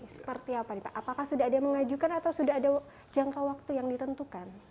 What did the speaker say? seperti apa nih pak apakah sudah ada yang mengajukan atau sudah ada jangka waktu yang ditentukan